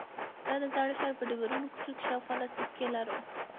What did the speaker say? دا د زاړه ښار په ډبرینو کوڅو کې شاوخوا لس دقیقې لاره وه.